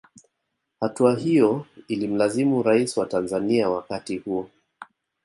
Hatua hiyo ilimlazimu rais wa Tanzanzia wakati huo